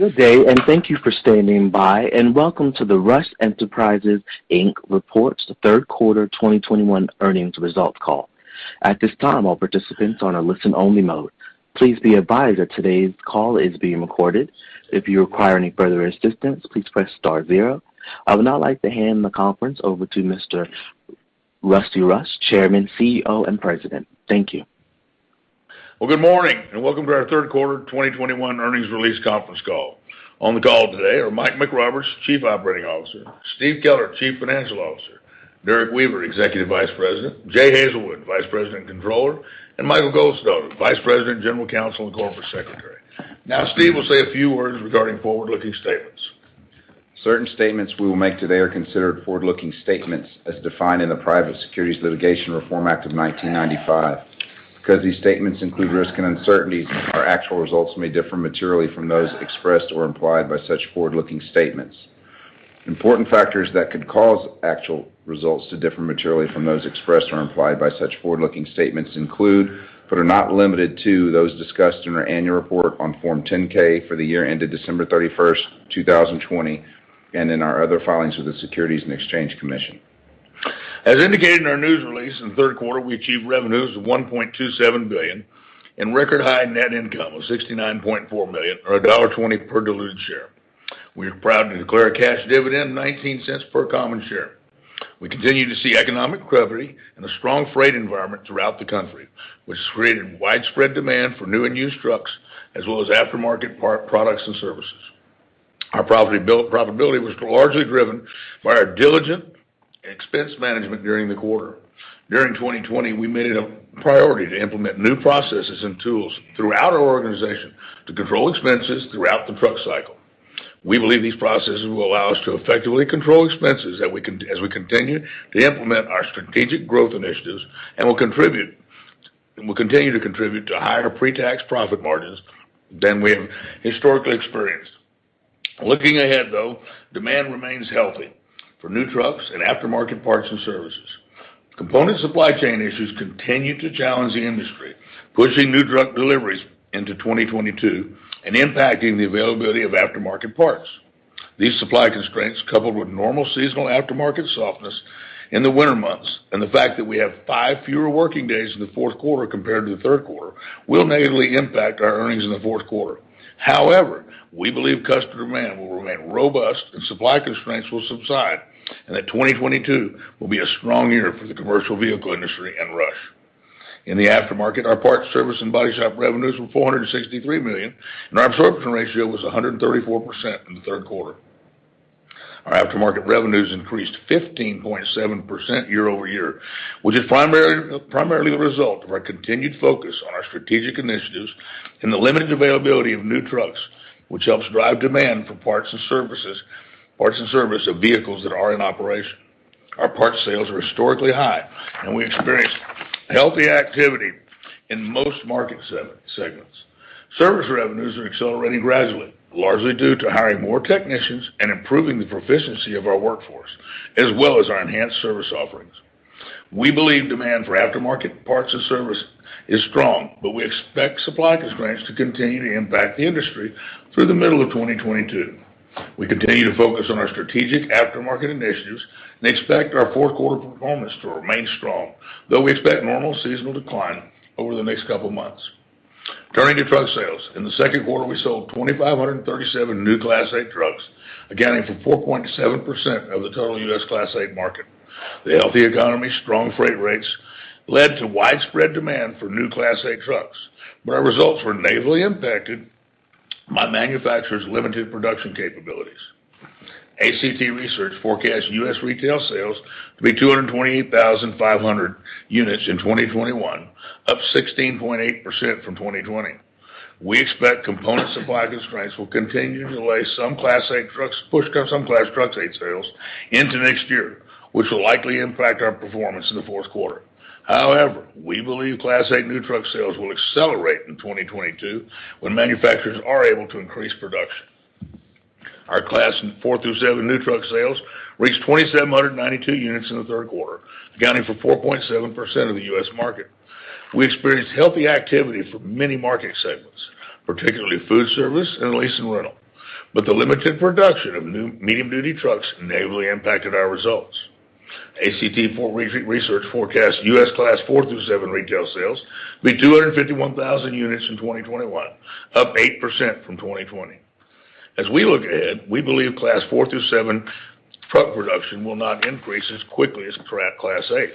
Good day, and thank you for standing by, and welcome to the Rush Enterprises, Inc. reports Third Quarter 2021 Earnings Results Call. At this time, all participants are on a listen only mode. Please be advised that today's call is being recorded. If you require any further assistance, please press star zero. I would now like to hand the conference over to Mr. W.M. Rush, Chairman, CEO, and President. Thank you. Well, good morning, and welcome to our Third Quarter 2021 Earnings Release Conference Call. On the call today are Michael McRoberts, Chief Operating Officer, Steven Keller, Chief Financial Officer, Derrek Weaver, Executive Vice President, Jay Hazelwood, Vice President and Controller, and Michael Goldstone, Vice President, General Counsel, and Corporate Secretary. Now, Steve will say a few words regarding forward-looking statements. Certain statements we will make today are considered forward-looking statements as defined in the Private Securities Litigation Reform Act of 1995. Because these statements include risk and uncertainties, our actual results may differ materially from those expressed or implied by such forward-looking statements. Important factors that could cause actual results to differ materially from those expressed or implied by such forward-looking statements include, but are not limited to, those discussed in our annual report on Form 10-K for the year ended December 31st, 2020, and in our other filings with the Securities and Exchange Commission. As indicated in our news release, in the third quarter, we achieved revenues of $1.27 billion and record high net income of $69.4 million or $1.20 per diluted share. We are proud to declare a cash dividend $0.19 per common share. We continue to see economic recovery and a strong freight environment throughout the country, which has created widespread demand for new and used trucks, as well as aftermarket products and services. Our profitability was largely driven by our diligent expense management during the quarter. During 2020, we made it a priority to implement new processes and tools throughout our organization to control expenses throughout the truck cycle. We believe these processes will allow us to effectively control expenses as we continue to implement our strategic growth initiatives and will continue to contribute to higher pre-tax profit margins than we have historically experienced. Looking ahead, though, demand remains healthy for new trucks and aftermarket parts and services. Component supply chain issues continue to challenge the industry, pushing new truck deliveries into 2022 and impacting the availability of aftermarket parts. These supply constraints, coupled with normal seasonal aftermarket softness in the winter months, and the fact that we have five fewer working days in the fourth quarter compared to the third quarter, will negatively impact our earnings in the fourth quarter. However, we believe customer demand will remain robust and supply constraints will subside, and that 2022 will be a strong year for the commercial vehicle industry and Rush. In the aftermarket, our parts service and body shop revenues were $463 million, and our absorption ratio was 134% in the third quarter. Our aftermarket revenues increased 15.7% year-over-year, which is primarily the result of our continued focus on our strategic initiatives and the limited availability of new trucks, which helps drive demand for parts and service of vehicles that are in operation. Our parts sales are historically high, and we experienced healthy activity in most market segments. Service revenues are accelerating gradually, largely due to hiring more technicians and improving the proficiency of our workforce, as well as our enhanced service offerings. We believe demand for aftermarket parts and service is strong, but we expect supply constraints to continue to impact the industry through the middle of 2022. We continue to focus on our strategic aftermarket initiatives and expect our fourth quarter performance to remain strong, though we expect normal seasonal decline over the next couple of months. Turning to truck sales. In the second quarter, we sold 2,537 new Class 8 trucks, accounting for 4.7% of the total U.S. Class 8 market. The healthy economy, strong freight rates led to widespread demand for new Class 8 trucks, but our results were negatively impacted by manufacturers' limited production capabilities. ACT Research forecasts U.S. retail sales to be 228,500 units in 2021, up 16.8% from 2020. We expect component supply constraints will continue to delay some Class 8 trucks, push some Class trucks 8 sales into next year, which will likely impact our performance in the fourth quarter. However, we believe Class 8 new truck sales will accelerate in 2022 when manufacturers are able to increase production. Our Class 4-7 new truck sales reached 2,792 units in the third quarter, accounting for 4.7% of the U.S. market. We experienced healthy activity for many market segments, particularly food service and lease and rental. The limited production of new medium-duty trucks negatively impacted our results. ACT Research forecasts U.S. Class 4-7 retail sales to be 251,000 units in 2021, up 8% from 2020. As we look ahead, we believe Class 4-7 truck production will not increase as quickly as Class 8.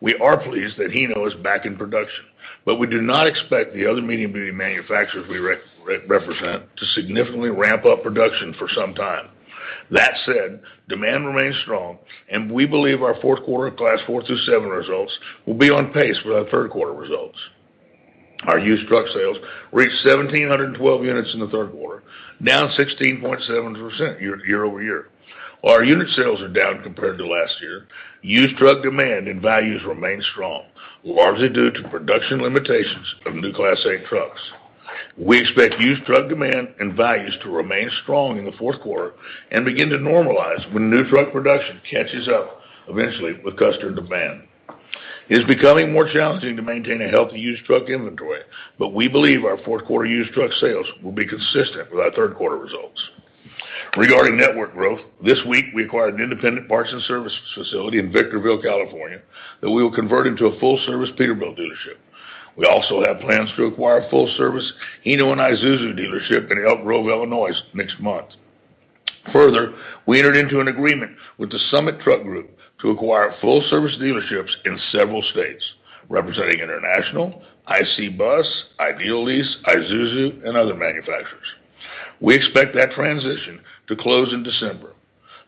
We are pleased that Hino is back in production, but we do not expect the other medium-duty manufacturers we represent to significantly ramp up production for some time. That said, demand remains strong and we believe our fourth quarter Class 4-7 results will be on pace with our third quarter results. Our used truck sales reached 1,712 units in the third quarter, down 16.7% year-over-year. While our unit sales are down compared to last year, used truck demand and values remain strong, largely due to production limitations of new Class 8 trucks. We expect used truck demand and values to remain strong in the fourth quarter and begin to normalize when new truck production catches up eventually with customer demand. It's becoming more challenging to maintain a healthy used truck inventory. We believe our fourth quarter used truck sales will be consistent with our third quarter results. Regarding network growth, this week, we acquired an independent parts and service facility in Victorville, California, that we will convert into a full service Peterbilt dealership. We also have plans to acquire full service Isuzu dealership in Elk Grove, Illinois, next month. We entered into an agreement with the Summit Truck Group to acquire full service dealerships in several states representing International, IC Bus, Idealease, Isuzu, and other manufacturers. We expect that transition to close in December.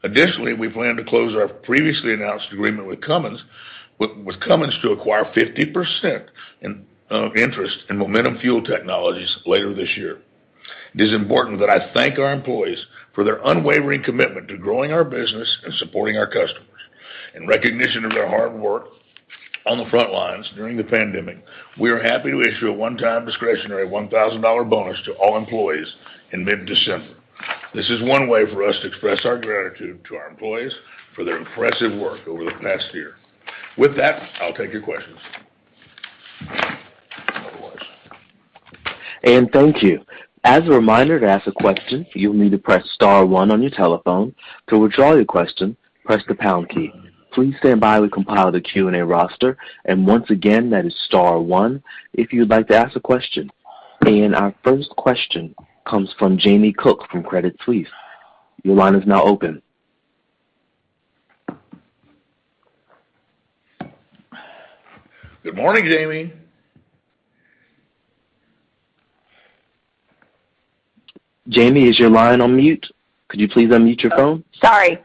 Additionally, we plan to close our previously announced agreement with Cummins to acquire 50% interest in Momentum Fuel Technologies later this year. It is important that I thank our employees for their unwavering commitment to growing our business and supporting our customers. In recognition of their hard work on the front lines during the pandemic, we are happy to issue a one-time discretionary $1,000 bonus to all employees in mid-December. This is one way for us to express our gratitude to our employees for their impressive work over the past year. With that, I'll take your questions. Thank you. As a reminder, to ask a question, you'll need to press star 1 on your telephone. To withdraw your question, press the pound key. Please stand by while we compile the Q&A roster. Once again, that is star 1 if you'd like to ask a question. Our first question comes from Jamie Cook from Credit Suisse. Your line is now open. Good morning, Jamie. Jamie, is your line on mute? Could you please unmute your phone? Sorry.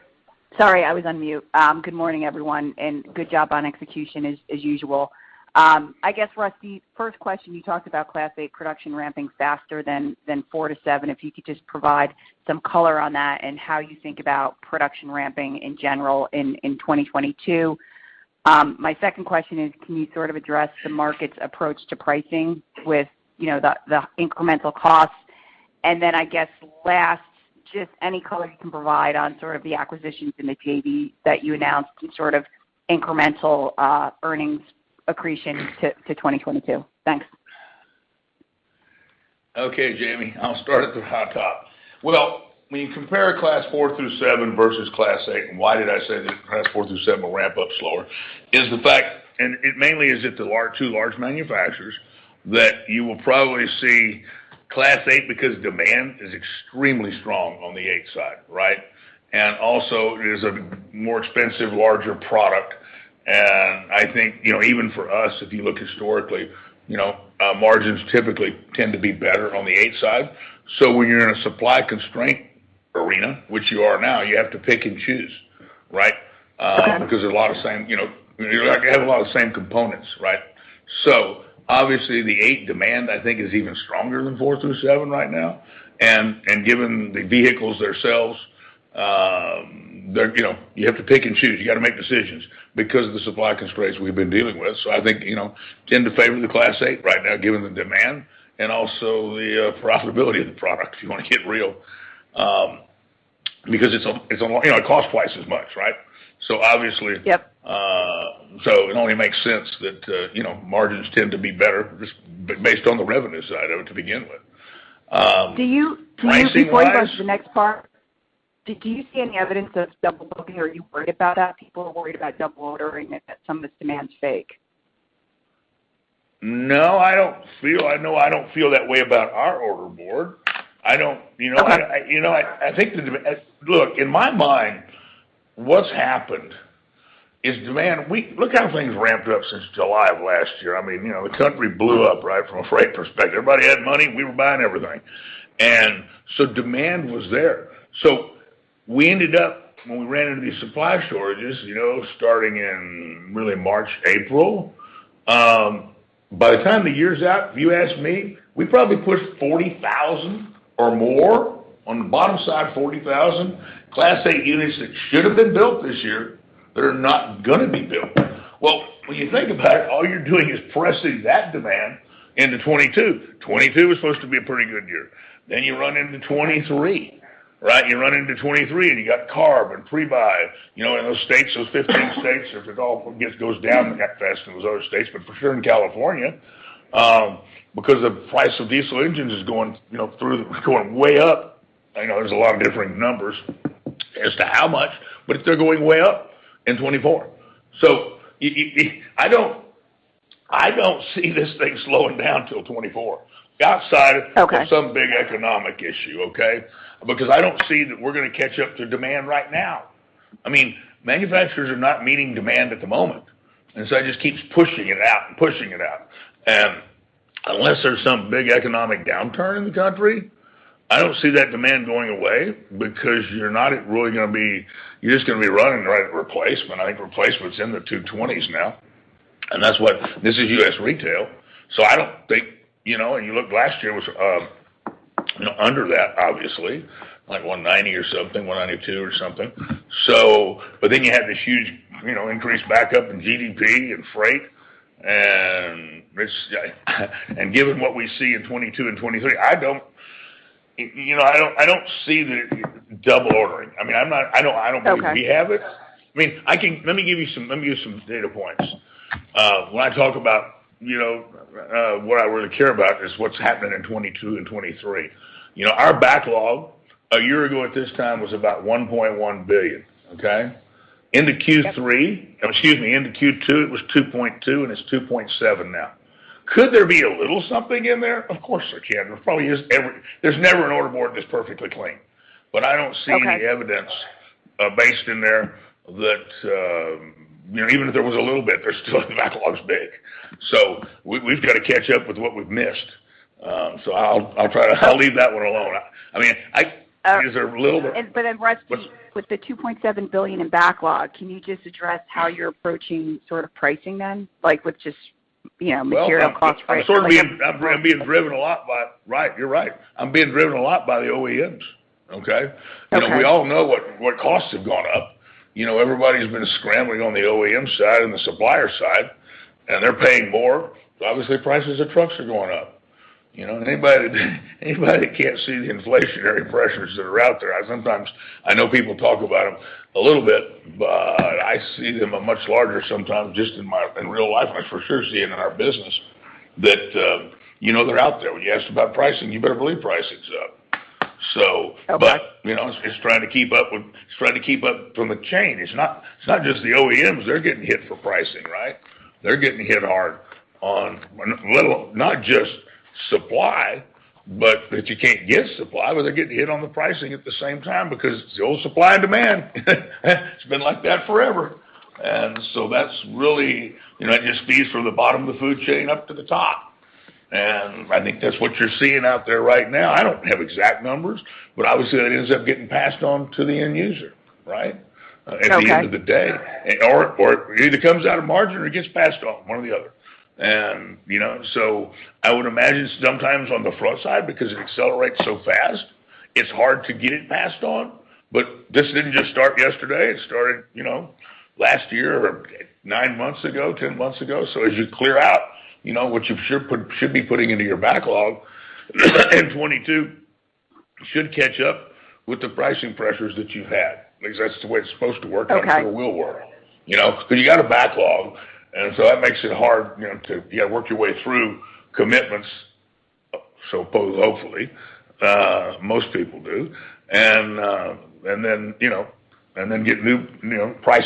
I was on mute. Good morning, everyone, and good job on execution as usual. I guess, Rusty, first question, you talked about Class 8 production ramping faster than Class 4-7. If you could just provide some color on that and how you think about production ramping in general in 2022. My second question is, can you sort of address the market's approach to pricing with the incremental cost? I guess last, just any color you can provide on sort of the acquisitions in the JV that you announced and sort of incremental earnings accretion to 2022. Thanks. Okay, Jamie. I'll start at the high top. When you compare Class 4-7 versus Class 8, and why did I say that Class 4-7 will ramp up slower, is the fact, and it mainly is that there are two large manufacturers that you will probably see Class 8 because demand is extremely strong on the eight side, right? Also it is a more expensive, larger product. I think even for us, if you look historically, margins typically tend to be better on the eight side. When you're in a supply constraint arena, which you are now, you have to pick and choose, right? Okay. Because you have a lot of the same components, right? Obviously the 8 demand, I think is even stronger than 4-7 right now. Given the vehicles themselves, you have to pick and choose. You got to make decisions because of the supply constraints we've been dealing with. I think, tend to favor the Class 8 right now given the demand and also the profitability of the product, if you want to get real, because it costs 2x as much, right? Yep It only makes sense that margins tend to be better just based on the revenue side of it to begin with. Can you be- Pricing-wise- The next part, do you see any evidence of double booking? Are you worried about that? People are worried about double ordering it, that some of this demand is fake. No, I don't feel that way about our order board. Look, in my mind, what's happened is demand. Look how things ramped up since July of last year. The country blew up, right, from a freight perspective. Everybody had money, we were buying everything. Demand was there. We ended up, when we ran into these supply shortages starting in really March, April, by the time the year's out, if you ask me, we probably pushed 40,000 or more, on the bottom side, 40,000 Class 8 units that should have been built this year that are not going to be built. Well, when you think about it, all you're doing is pressing that demand into 2022. 2022 is supposed to be a pretty good year. You run into 2023, right? You run into 2023 and you got CARB and pre-buy in those states, those 15 states. If it all goes down the cat in those other states, but for sure in California, because the price of diesel engines is going way up. I know there's a lot of different numbers as to how much, they're going way up in 2024. I don't see this thing slowing down till 2024 outside- Okay of some big economic issue, okay? I don't see that we're going to catch up to demand right now. Manufacturers are not meeting demand at the moment, it just keeps pushing it out and pushing it out. Unless there's some big economic downturn in the country, I don't see that demand going away because you're just going to be running right at replacement. I think replacement's in the 220s now. This is U.S. retail. You look last year was under that, obviously, like 190 or something, 192 or something. You had this huge increase back up in GDP and freight. Given what we see in 2022 and 2023, I don't see the double ordering. I don't believe we have it. Okay. Let me give you some data points. When I talk about what I really care about is what's happening in 2022 and 2023. Our backlog a year ago at this time was about $1.1 billion. Okay? Into Q2, it was $2.2, and it's $2.7 now. Could there be a little something in there? Of course, there can. There's never an order board that's perfectly clean. Okay. I don't see any evidence based in there that even if there was a little bit, there's still the backlog's big. We've got to catch up with what we've missed. I'll leave that one alone. Rusty, with the $2.7 billion in backlog, can you just address how you're approaching sort of pricing then, like with just material cost price? Right, you're right. I'm being driven a lot by the OEMs. Okay? Okay. We all know what costs have gone up. Everybody's been scrambling on the OEM side and the supplier side, and they're paying more. Obviously, prices of trucks are going up. Anybody that can't see the inflationary pressures that are out there, sometimes I know people talk about them a little bit, but I see them much larger sometimes just in real life. I for sure see it in our business that they're out there. When you ask about pricing, you better believe pricing's up. Okay. It's trying to keep up from the chain. It's not just the OEMs. They're getting hit for pricing, right? They're getting hit hard on not just supply, but that you can't get supply, but they're getting hit on the pricing at the same time because it's the old supply and demand. It's been like that forever. That just feeds from the bottom of the food chain up to the top, and I think that's what you're seeing out there right now. I don't have exact numbers, but obviously that ends up getting passed on to the end user, right? Okay. At the end of the day. It either comes out of margin or it gets passed on, one or the other. I would imagine sometimes on the front side, because it accelerates so fast, it's hard to get it passed on. This didn't just start yesterday. It started last year or nine months ago, 10 months ago. As you clear out what you should be putting into your backlog, in 2022, you should catch up with the pricing pressures that you've had, because that's the way it's supposed to work. Okay The way it will work. You got a backlog, that makes it hard to work your way through commitments, hopefully, most people do. Price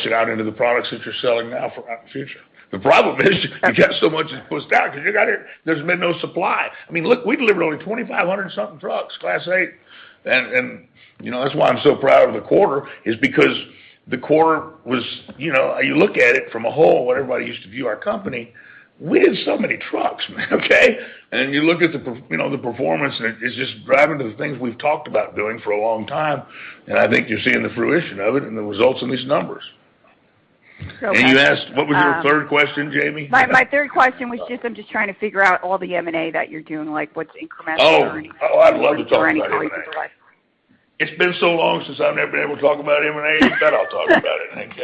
it out into the products that you're selling now for out in the future. The problem is you got so much that goes down because you got it, there's been no supply. Look, we delivered only 2,500 and something trucks, Class 8. That's why I'm so proud of the quarter, is because the quarter was, you look at it from a whole, what everybody used to view our company, we did so many trucks, man, okay? You look at the performance, and it's just driving to the things we've talked about doing for a long time, and I think you're seeing the fruition of it and the results in these numbers. So my- You asked, what was your third question, Jamie? My third question was just I'm just trying to figure out all the M&A that you're doing, like what's incremental or any- Oh, I'd love to talk about M&A. or any guidance you provide. It's been so long since I've not been able to talk about M&A. You bet I'll talk about it. Thank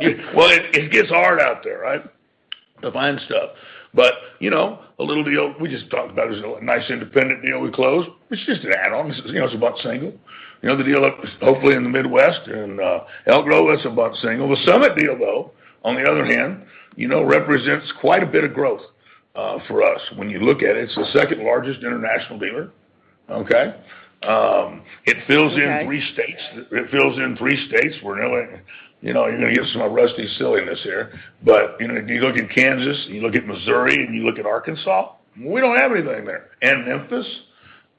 you. Well, it gets hard out there, right, to find stuff. A little deal, we just talked about, it was a nice independent deal we closed. It's just an add-on. It's a buck single. The deal that was hopefully in the Midwest, Elk Grove, that's a buck single. The Summit deal, though, on the other hand, represents quite a bit of growth for us. When you look at it's the second largest international dealer. Okay? Okay. It fills in three states where you're going to get some of Rusty's silliness here. If you look at Kansas, you look at Missouri, and you look at Arkansas, we don't have anything there, Memphis.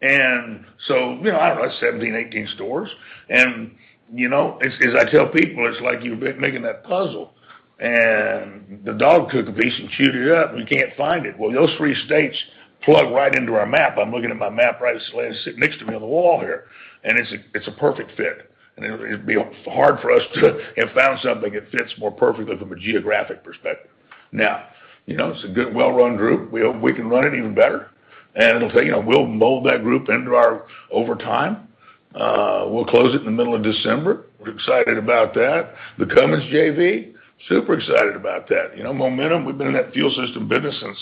I don't know, 17, 18 stores. As I tell people, it's like you've been making that puzzle, and the dog took a piece and chewed it up, and you can't find it. Well, those three states plug right into our map. I'm looking at my map right as it sits next to me on the wall here, and it's a perfect fit. It'd be hard for us to have found something that fits more perfectly from a geographic perspective. Now, it's a good, well-run group. We can run it even better. We'll mold that group into our over time. We'll close it in the middle of December. We're excited about that. The Cummins JV, super excited about that. Momentum, we've been in that fuel system business since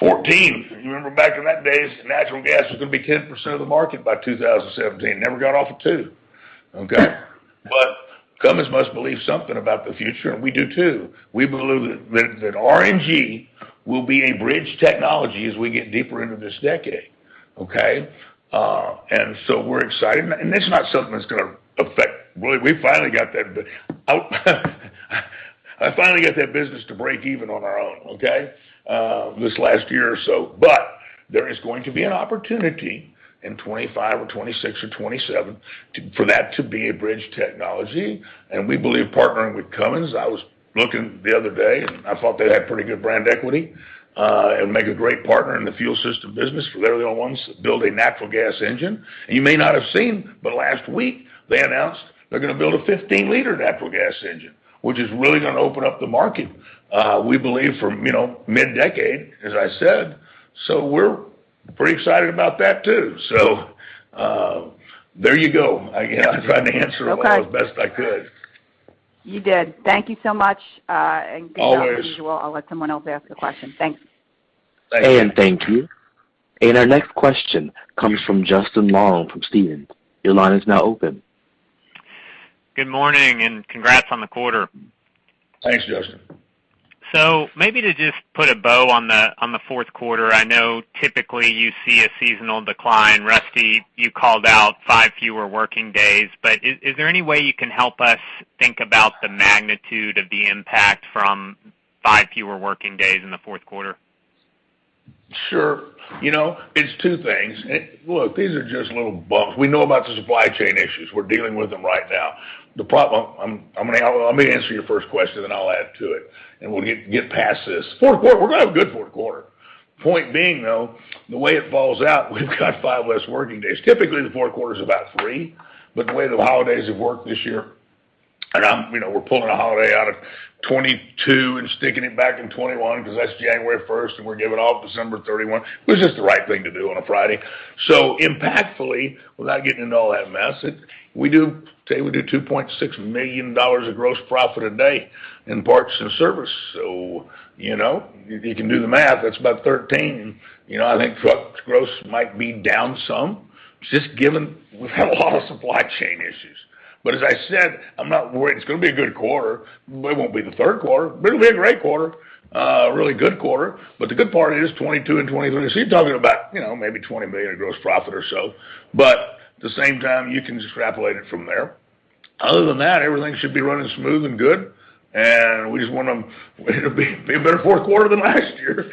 2014. You remember back in that day, natural gas was going to be 10% of the market by 2017. Never got off of two. Okay? Cummins must believe something about the future, and we do, too. We believe that RNG will be a bridge technology as we get deeper into this decade. Okay? We're excited. We finally got that. I finally got that business to break even on our own, okay, this last year or so. There is going to be an opportunity in 2025 or 2026 or 2027 for that to be a bridge technology. We believe partnering with Cummins, I was looking the other day, and I thought they had pretty good brand equity, and would make a great partner in the fuel system business. They're the only ones that build a natural gas engine. You may not have seen, but last week they announced they're going to build a 15-liter natural gas engine, which is really going to open up the market, we believe from mid-decade, as I said. We're pretty excited about that, too. There you go. Okay all as best I could. You did. Thank you so much. Always. As usual, I'll let someone else ask a question. Thanks. Thank you. Thank you. Our next question comes from Justin Long from Stephens. Your line is now open. Good morning, and congrats on the quarter. Thanks, Justin. Maybe to just put a bow on the fourth quarter, I know typically you see a seasonal decline. Rusty, you called out five fewer working days, is there any way you can help us think about the magnitude of the impact from five fewer working days in the fourth quarter? Sure. It's two things. Look, these are just little bumps. We know about the supply chain issues. We're dealing with them right now. Let me answer your first question, then I'll add to it, and we'll get past this. Fourth quarter, we're going to have a good fourth quarter. Point being, though, the way it falls out, we've got five less working days. Typically, the fourth quarter is about three, but the way the holidays have worked this year, and we're pulling a holiday out of 2022 and sticking it back in 2021 because that's January 1st, and we're giving off December 31. It was just the right thing to do on a Friday. Impactfully, without getting into all that mess, we do $2.6 million of gross profit a day in parts and service. You can do the math. That's about $13 million. I think truck gross might be down some, just given we've had a lot of supply chain issues. As I said, I'm not worried. It's going to be a good quarter. It won't be the third quarter. It'll be a great quarter, a really good quarter. The good part is 2022 and 2023, so you're talking about maybe $20 million of gross profit or so. At the same time, you can extrapolate it from there. Other than that, everything should be running smooth and good, and we just want it to be a better fourth quarter than last year.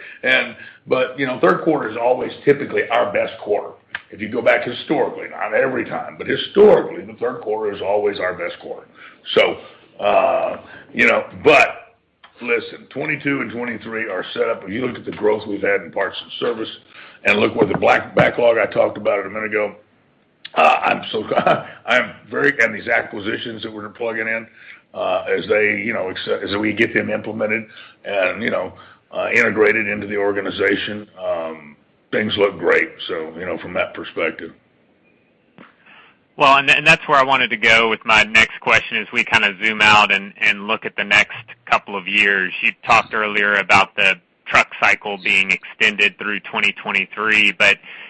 Third quarter is always typically our best quarter. If you go back historically, not every time, but historically, the third quarter is always our best quarter. Listen, 2022 and 2023 are set up. If you look at the growth we've had in parts and service and look where the backlog, I talked about it a minute ago. These acquisitions that we're plugging in, as we get them implemented and integrated into the organization, things look great from that perspective. Well, that's where I wanted to go with my next question, as we zoom out and look at the next couple of years. You talked earlier about the truck cycle being extended through 2023,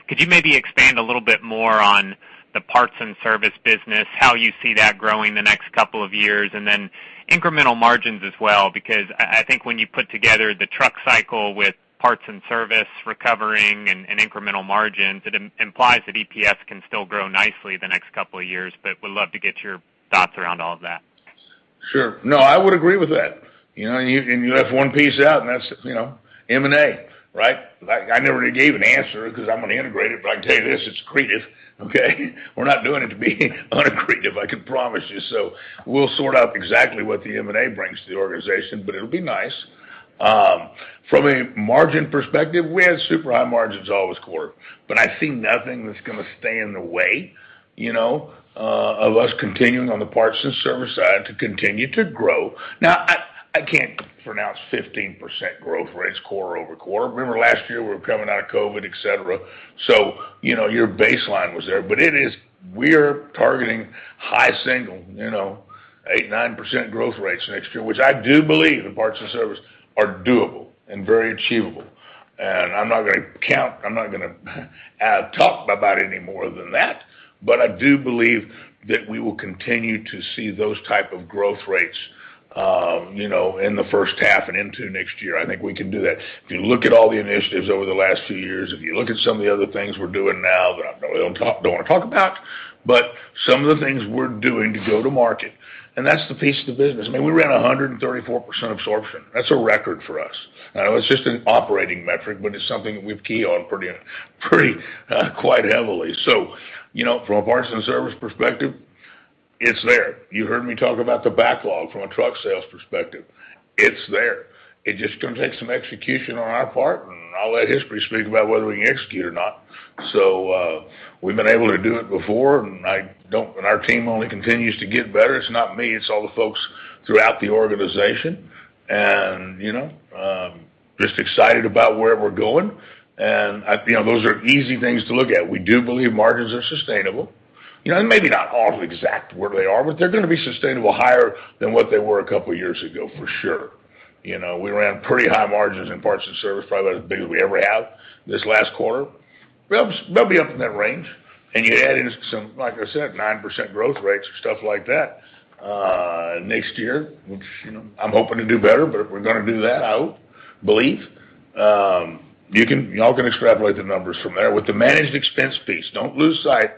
could you maybe expand a little bit more on the parts and service business, how you see that growing the next couple of years? Incremental margins as well, because I think when you put together the truck cycle with parts and service recovering and incremental margins, it implies that EPS can still grow nicely the next couple of years, but would love to get your thoughts around all of that. Sure. No, I would agree with that. You left one piece out, and that's M&A, right? I never gave an answer because I'm going to integrate it, but I can tell you this, it's accretive, okay? We're not doing it to be unaccretive, I can promise you. We'll sort out exactly what the M&A brings to the organization, but it'll be nice. From a margin perspective, we had super high margins all this quarter, but I see nothing that's going to stand in the way of us continuing on the parts and service side to continue to grow. I can't pronounce 15% growth rates quarter-over-quarter. Remember last year, we were coming out of COVID, et cetera, your baseline was there. We're targeting high single, 8%, 9% growth rates next year, which I do believe in parts and service are doable and very achievable. I'm not going to talk about it any more than that, but I do believe that we will continue to see those type of growth rates in the first half and into next year. I think we can do that. If you look at all the initiatives over the last few years, if you look at some of the other things we're doing now that I probably don't want to talk about, but some of the things we're doing to go to market, and that's the piece of the business. I mean, we ran 134% absorption. That's a record for us. It's just an operating metric, but it's something that we've keyed on pretty, quite heavily. From a parts and service perspective, it's there. You heard me talk about the backlog from a truck sales perspective. It's there. It's just going to take some execution on our part. I'll let history speak about whether we can execute or not. We've been able to do it before. Our team only continues to get better. It's not me, it's all the folks throughout the organization, just excited about where we're going. Those are easy things to look at. We do believe margins are sustainable. Maybe not all to exact where they are, they're going to be sustainable higher than what they were a couple of years ago, for sure. We ran pretty high margins in parts and service, probably about as big as we ever have this last quarter. They'll be up in that range. You add in some, like I said, 9% growth rates or stuff like that next year, which I'm hoping to do better. I hope, believe. You all can extrapolate the numbers from there. With the managed expense piece, don't lose sight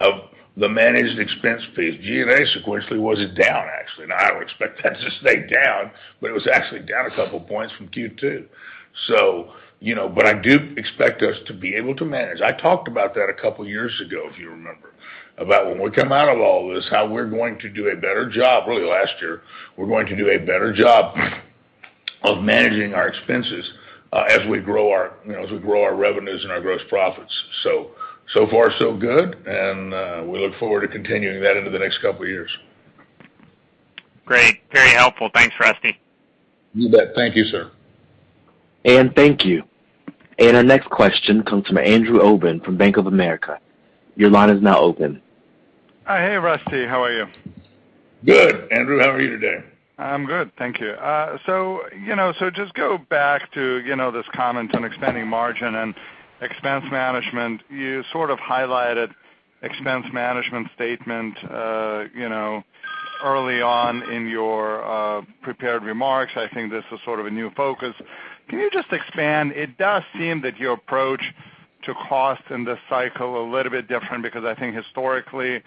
of the managed expense piece. G&A sequentially was down, actually. I don't expect that to stay down, it was actually down a couple of points from Q2. I do expect us to be able to manage. I talked about that a couple of years ago, if you remember, about when we come out of all this, how we're going to do a better job. Really last year, we're going to do a better job of managing our expenses as we grow our revenues and our gross profits. So far so good, and we look forward to continuing that into the next couple of years. Great. Very helpful. Thanks, Rusty. You bet. Thank you, sir. Anne, thank you. Our next question comes from Andrew Obin from Bank of America. Hey, Rusty, how are you? Good, Andrew, how are you today? I'm good, thank you. Just go back to this comment on expanding margin and expense management. You sort of highlighted expense management statement early on in your prepared remarks. I think this is sort of a new focus. Can you just expand? It does seem that your approach to cost in this cycle a little bit different, because I think historically,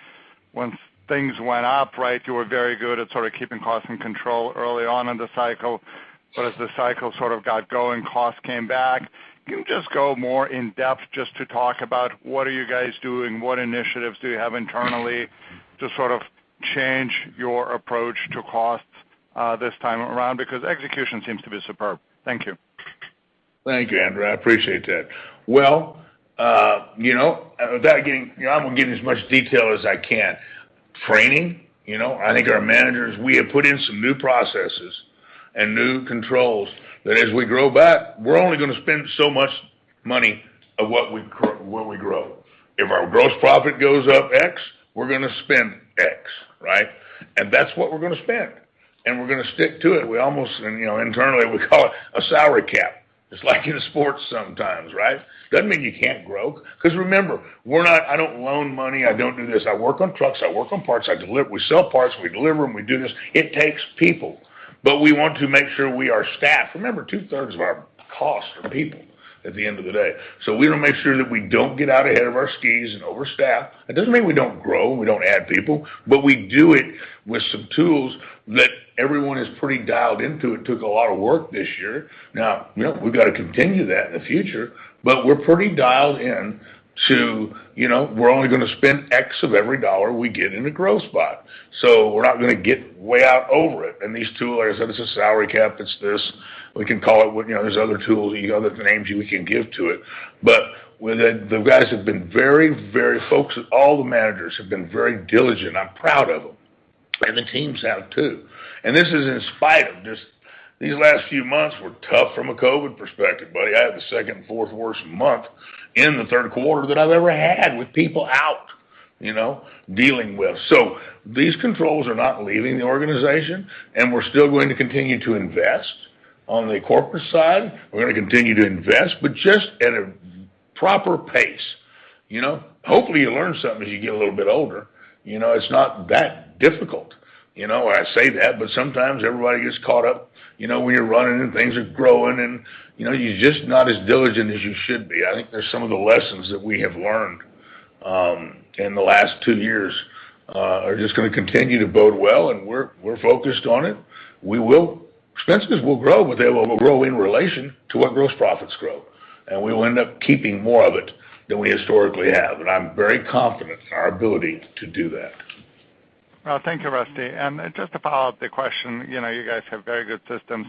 once things went up, right, you were very good at sort of keeping costs in control early on in the cycle. As the cycle sort of got going, costs came back. Can you just go more in depth just to talk about what are you guys doing, what initiatives do you have internally to sort of change your approach to costs this time around? Execution seems to be superb. Thank you. Thank you, Andrew. I appreciate that. Well, I'm going to give you as much detail as I can. Training. I think our managers, we have put in some new processes and new controls that as we grow back, we're only going to spend so much money of when we grow. If our gross profit goes up X, we're going to spend X, right? That's what we're going to spend, and we're going to stick to it. Internally, we call it a salary cap. It's like in sports sometimes, right? Doesn't mean you can't grow, because remember, I don't loan money. I don't do this. I work on trucks. I work on parts. I deliver. We sell parts. We deliver them. We do this. It takes people. We want to make sure we are staffed. Remember, two-thirds of our costs are people at the end of the day. We want to make sure that we don't get out ahead of our skis and overstaff. It doesn't mean we don't grow and we don't add people, but we do it with some tools that everyone is pretty dialed into. It took a lot of work this year. We've got to continue that in the future, but we're pretty dialed in to, we're only going to spend X of every dollar we get in a growth spot. We're not going to get way out over it. These tools, like I said, it's a salary cap, it's this. There's other tools, other names we can give to it. The guys have been very focused. All the managers have been very diligent. I'm proud of them. The teams have, too. This is in spite of just, these last few months were tough from a COVID perspective, buddy. I had the second fourth-worst month in the third quarter that I've ever had with people out. These controls are not leaving the organization, and we're still going to continue to invest. On the corporate side, we're going to continue to invest, but just at a proper pace. Hopefully, you learn something as you get a little bit older. It's not that difficult. I say that, but sometimes everybody gets caught up when you're running and things are growing and you're just not as diligent as you should be. I think there's some of the lessons that we have learned in the last two years are just going to continue to bode well, and we're focused on it. Expenses will grow, but they will grow in relation to what gross profits grow, and we will end up keeping more of it than we historically have. I'm very confident in our ability to do that. Well, thank you, Rusty. Just to follow up the question, you guys have very good systems.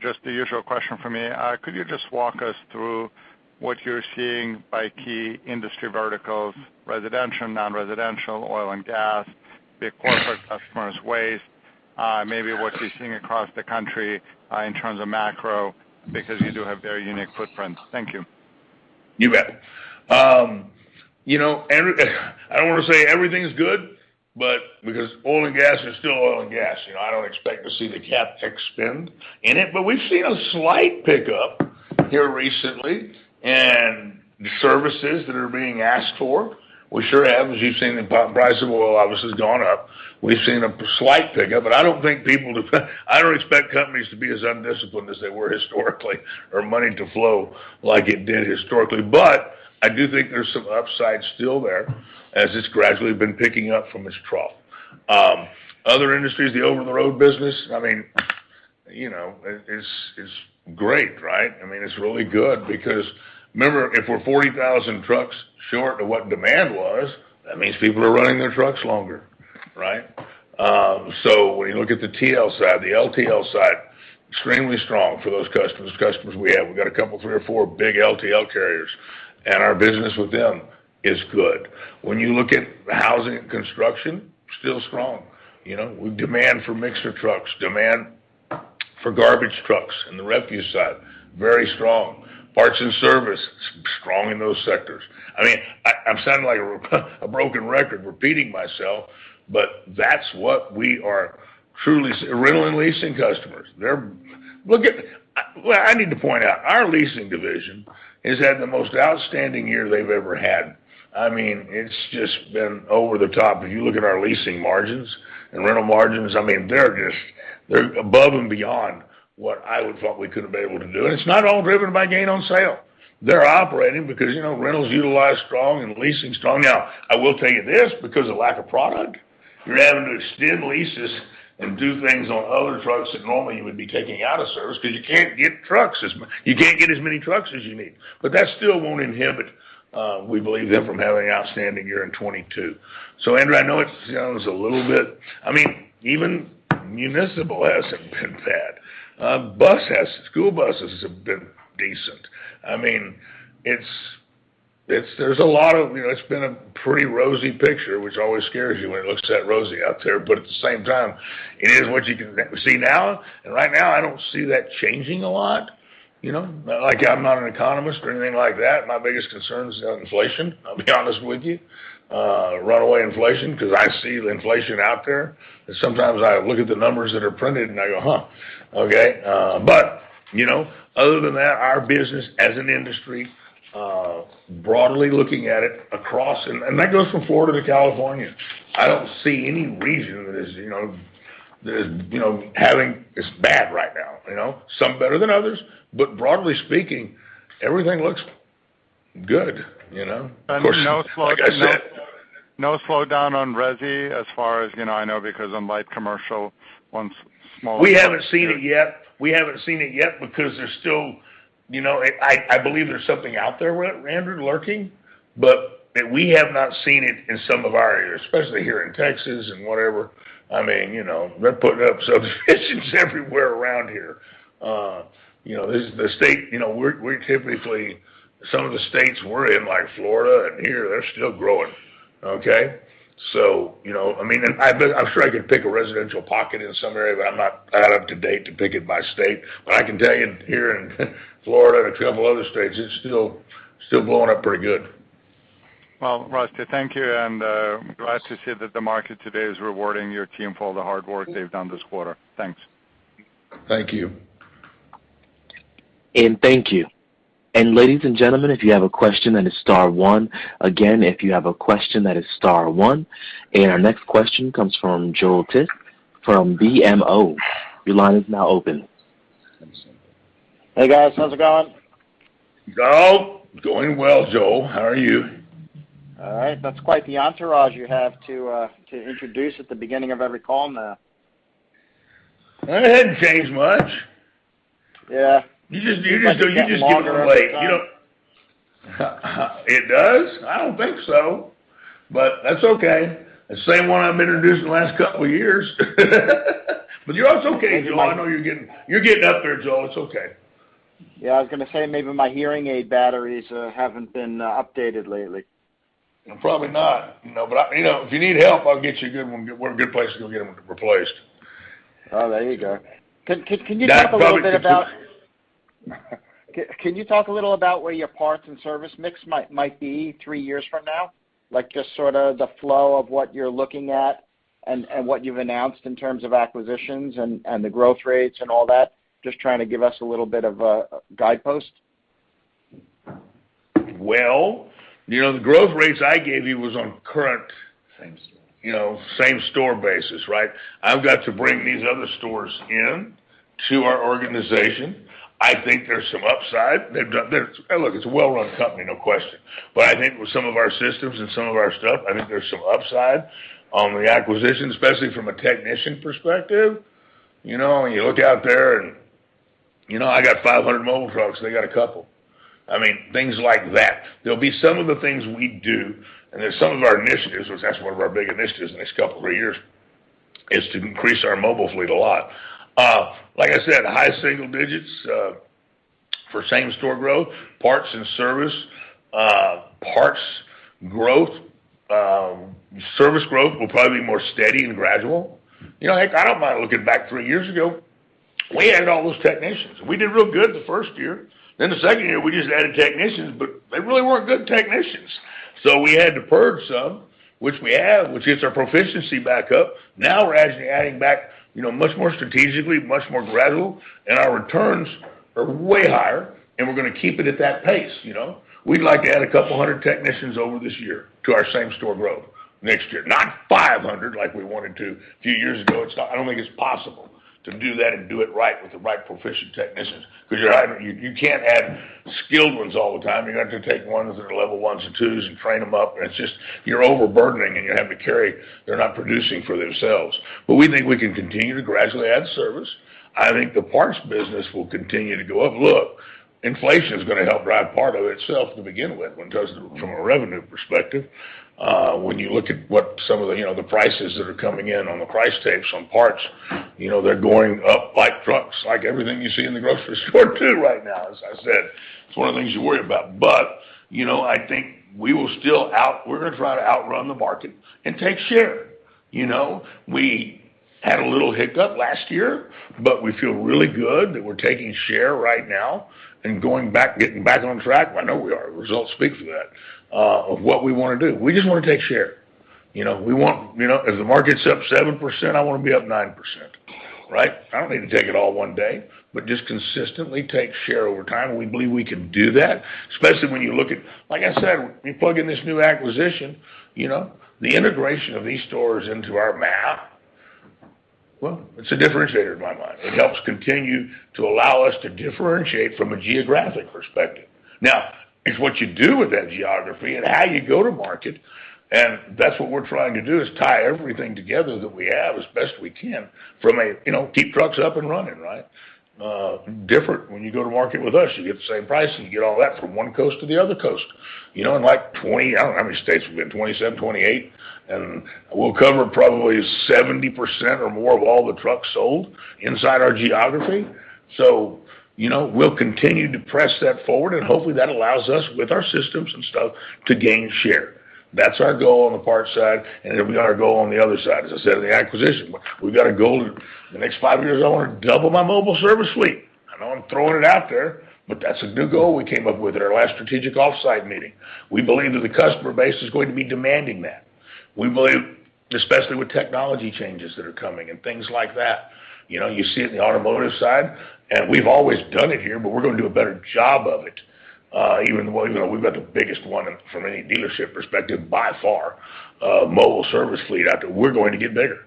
Just the usual question from me. Could you just walk us through what you're seeing by key industry verticals, residential, non-residential, oil and gas, big corporate customers, waste, maybe what you're seeing across the country in terms of macro, because you do have very unique footprints. Thank you. You bet. I don't want to say everything's good, because oil and gas is still oil and gas. I don't expect to see the CapEx spend in it. We've seen a slight pickup here recently in the services that are being asked for. We sure have, as you've seen, the price of oil obviously has gone up. We've seen a slight pickup, and I don't expect companies to be as undisciplined as they were historically, or money to flow like it did historically. I do think there's some upside still there as it's gradually been picking up from its trough. Other industries, the over-the-road business, it's great, right? It's really good because remember, if we're 40,000 trucks short of what demand was, that means people are running their trucks longer. Right? When you look at the TL side, the LTL side, extremely strong for those customers we have. We've got a two, three or four big LTL carriers, and our business with them is good. When you look at housing and construction, still strong. Demand for mixer trucks, demand for garbage trucks in the refuse side, very strong. Parts and service, strong in those sectors. I'm sounding like a broken record repeating myself, but that's what we are truly Rental and leasing customers. I need to point out, our leasing division has had the most outstanding year they've ever had. It's just been over the top. If you look at our leasing margins and rental margins, they're above and beyond what I would thought we could have been able to do. It's not all driven by gain on sale. They're operating because rental is utilized strong and leasing is strong. I will tell you this, because of lack of product, you're having to extend leases and do things on other trucks that normally you would be taking out of service because you can't get as many trucks as you need. That still won't inhibit, we believe, them from having an outstanding year in 2022. Andrew, I know it sounds a little bit. Even municipal hasn't been bad. School buses have been decent. It's been a pretty rosy picture, which always scares you when it looks that rosy out there. At the same time, it is what you can see now. Right now, I don't see that changing a lot. I'm not an economist or anything like that. My biggest concern is inflation, I'll be honest with you. Runaway inflation, because I see the inflation out there, and sometimes I look at the numbers that are printed, and I go, "Huh. Okay." Other than that, our business as an industry, broadly looking at it across, and that goes from Florida to California, I don't see any region that is bad right now. Some better than others, but broadly speaking, everything looks good. Of course, like I said- No slowdown on resi as far as I know because I'm light commercial, small- We haven't seen it yet. We haven't seen it yet because there's still I believe there's something out there, Andrew, lurking, but that we have not seen it in some of our areas, especially here in Texas and whatever. They're putting up subdivisions everywhere around here. We're typically, some of the states we're in, like Florida and here, they're still growing. Okay. I'm sure I could pick a residential pocket in some area, I'm not up to date to pick it by state. I can tell you here in Florida and a couple other states, it's still blowing up pretty good. Well, Rusty, thank you, and glad to see that the market today is rewarding your team for all the hard work they've done this quarter. Thanks. Thank you. Thank you. Ladies and gentlemen, if you have a question, that is star one. Again, if you have a question, that is star one. Our next question comes from Joel Tiss from BMO. Your line is now open. Hey, guys. How's it going? Joel Tiss. Going well, Joel Tiss. How are you? All right. That's quite the entourage you have to introduce at the beginning of every call now. It hasn't changed much. Yeah. You're just getting older, Blake. It does? I don't think so, but that's okay. The same one I've introduced in the last couple of years. You're, Oh, it's okay, Joel. I know you're getting up there, Joel. It's okay. Yeah, I was going to say, maybe my hearing aid batteries haven't been updated lately. Probably not. If you need help, I'll get you a good one good place to go get them replaced. Oh, there you go. That probably- Can you talk a little bit about where your parts and service mix might be three years from now? Like, just sort of the flow of what you're looking at and what you've announced in terms of acquisitions and the growth rates and all that. Just trying to give us a little bit of a guidepost. Well, the growth rates I gave you was on current. Same store. same-store basis, right? I've got to bring these other stores in to our organization. I think there's some upside. Look, it's a well-run company, no question. I think with some of our systems and some of our stuff, I think there's some upside on the acquisition, especially from a technician perspective. You look out there, and I got 500 mobile trucks. They got a couple. I mean, things like that. There'll be some of the things we do, and there's some of our initiatives, which that's one of our big initiatives in the next couple of years, is to increase our mobile fleet a lot. Like I said, high single digits for same-store growth. Parts and service. Parts growth, service growth will probably be more steady and gradual. Heck, I don't mind looking back three years ago, we added all those technicians, we did real good the first year. The second year, we just added technicians, they really weren't good technicians. We had to purge some, which we have, which gets our proficiency back up. Now we're actually adding back much more strategically, much more gradual, our returns are way higher, and we're going to keep it at that pace. We'd like to add 200 technicians over this year to our same store growth next year. Not 500 like we wanted to a few years ago. I don't think it's possible to do that and do it right with the right proficient technicians because you can't have skilled ones all the time. You're going to have to take 1s that are level 1s and 2s and train them up, and it's just you're overburdening, and you have to carry. They're not producing for themselves. We think we can continue to gradually add service. I think the parts business will continue to go up. Look, inflation is going to help drive part of it itself to begin with when it comes to from a revenue perspective. When you look at what some of the prices that are coming in on the price tags on parts, they're going up like trucks, like everything you see in the grocery store too right now, as I said. It's one of the things you worry about. I think we're going to try to outrun the market and take share. We had a little hiccup last year, but we feel really good that we're taking share right now and going back, getting back on track. I know we are. Results speak to that, of what we want to do. We just want to take share. If the market's up 7%, I want to be up 9%. Right? I don't need to take it all one day, but just consistently take share over time, and we believe we can do that, especially when you look at Like I said, we plug in this new acquisition. The integration of these stores into our map, well, it's a differentiator in my mind. It helps continue to allow us to differentiate from a geographic perspective. It's what you do with that geography and how you go to market, and that's what we're trying to do is tie everything together that we have as best we can from a keep trucks up and running, right? Different when you go to market with us, you get the same price, and you get all that from one coast to the other coast. In, like, 20, I don't know how many states we're in, 27, 28, and we'll cover probably 70% or more of all the trucks sold inside our geography. We'll continue to press that forward and hopefully that allows us, with our systems and stuff, to gain share. That's our goal on the parts side, and then we got our goal on the other side, as I said, in the acquisition. We've got a goal, the next five years, I want to double my mobile service fleet. I know I'm throwing it out there, but that's a new goal we came up with at our last strategic off-site meeting. We believe that the customer base is going to be demanding that. We believe, especially with technology changes that are coming and things like that. You see it in the automotive side, and we've always done it here, but we're going to do a better job of it. Even, we've got the biggest one from any dealership perspective by far, mobile service fleet out there. We're going to get bigger.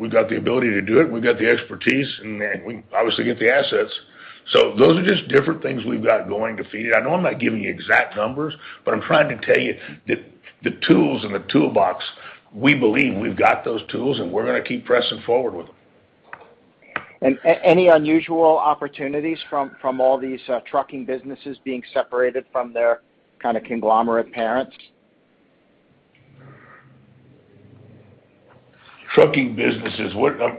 We've got the ability to do it. We've got the expertise and we obviously got the assets. Those are just different things we've got going to feed it. I know I'm not giving you exact numbers, but I'm trying to tell you that the tools in the toolbox, we believe we've got those tools, and we're going to keep pressing forward with them. Any unusual opportunities from all these trucking businesses being separated from their conglomerate parents? Trucking businesses.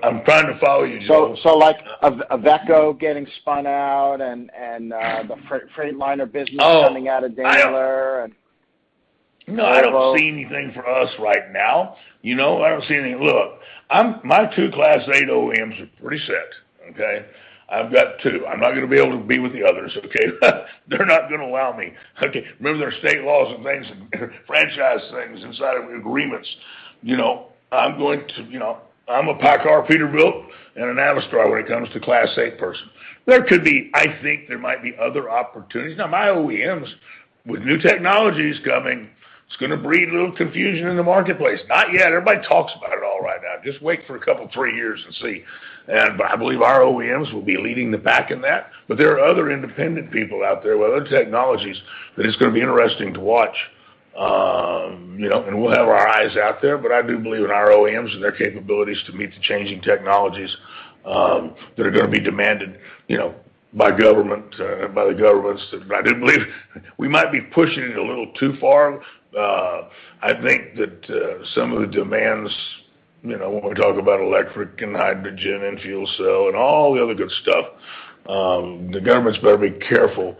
I'm trying to follow you, Joel. like a WABCO getting spun out and the Freightliner business Oh coming out of Daimler and Volvo. No, I don't see anything for us right now. I don't see any Look, my two Class 8 OEMs are pretty set, okay. I've got two. I'm not going to be able to be with the others, okay. They're not going to allow me. Okay. Remember, there are state laws and things and franchise things inside of agreements. I'm a PACCAR, Peterbilt, and an Navistar when it comes to Class 8 person. There could be, I think there might be other opportunities. My OEMs, with new technologies coming, it's going to breed a little confusion in the marketplace. Not yet. Everybody talks about it all right now. Just wait for two, three years and see. I believe our OEMs will be leading the pack in that. There are other independent people out there with other technologies that it's going to be interesting to watch. We'll have our eyes out there, but I do believe in our OEMs and their capabilities to meet the changing technologies, that are going to be demanded by the governments. I do believe we might be pushing it a little too far. I think that some of the demands, when we talk about electric and hydrogen and fuel cell and all the other good stuff, the governments better be careful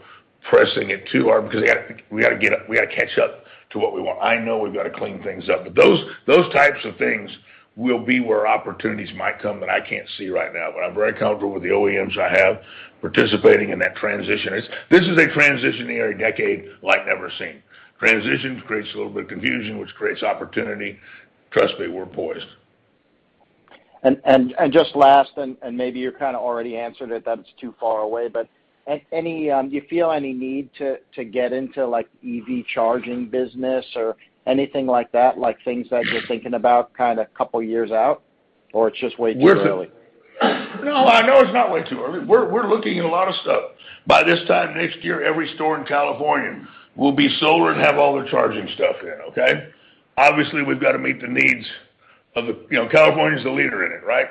pressing it too hard because we got to catch up to what we want. I know we've got to clean things up. Those types of things will be where opportunities might come that I can't see right now. I'm very comfortable with the OEMs I have participating in that transition. This is a transitionary decade like never seen. Transitions creates a little bit of confusion, which creates opportunity. Trust me, we're poised. Just last, and maybe you kind of already answered it, that it's too far away, but do you feel any need to get into EV charging business or anything like that, like things that you're thinking about kind of couple years out, or it's just way too early? No, I know it's not way too early. We're looking at a lot of stuff. By this time next year, every store in California will be solar and have all their charging stuff in, okay? Obviously, we've got to meet the needs of California's the leader in it, right?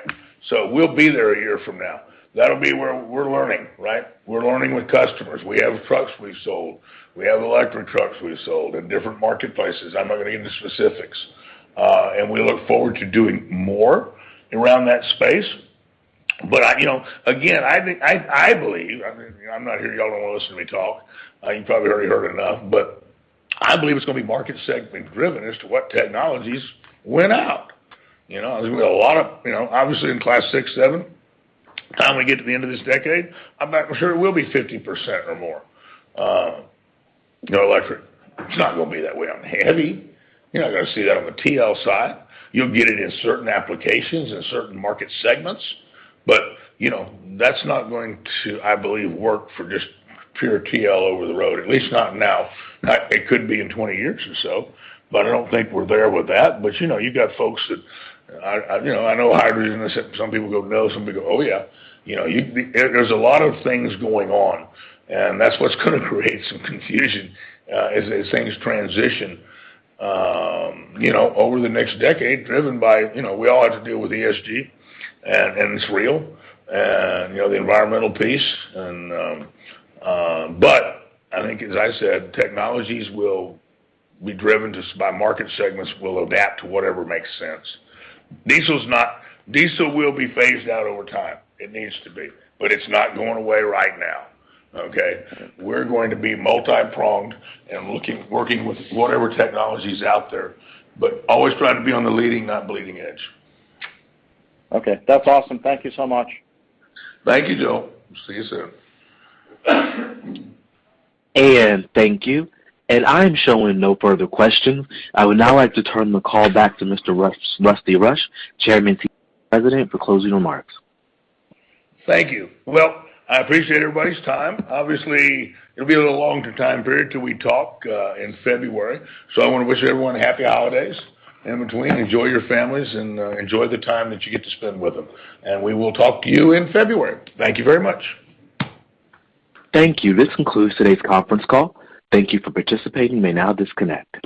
We'll be there a year from now. That'll be where we're learning, right? We're learning with customers. We have trucks we've sold. We have electric trucks we've sold in different marketplaces. I'm not going to get into specifics. We look forward to doing more around that space. Again, I believe, I'm not here, you all don't want to listen to me talk. You probably already heard enough. I believe it's going to be market segment driven as to what technologies win out. Obviously in Class 6, 7, by the time we get to the end of this decade, I'm not sure it will be 50% or more, electric. It's not going to be that way on heavy. You're not going to see that on the TL side. You'll get it in certain applications, in certain market segments, but that's not going to, I believe, work for just pure TL over the road, at least not now. It could be in 20 years or so, but I don't think we're there with that. You got folks that, I know hydrogen, some people go, "No." Some people go, "Oh, yeah." There's a lot of things going on, and that's what's going to create some confusion, as things transition over the next decade, driven by, we all have to deal with ESG, and it's real, the environmental piece. I think, as I said, technologies will be driven just by market segments. We'll adapt to whatever makes sense. Diesel will be phased out over time. It needs to be. It's not going away right now, okay? We're going to be multi-pronged and working with whatever technology's out there, but always trying to be on the leading, not bleeding edge. Okay. That's awesome. Thank you so much. Thank you, Joel. See you soon. Thank you. I'm showing no further questions. I would now like to turn the call back to Mr. Rusty Rush, Chairman, CEO, and President, for closing remarks. Thank you. Well, I appreciate everybody's time. Obviously, it'll be a little longer time period till we talk in February. I want to wish everyone happy holidays. In between, enjoy your families and enjoy the time that you get to spend with them. We will talk to you in February. Thank you very much. Thank you. This concludes today's conference call. Thank you for participating. You may now disconnect.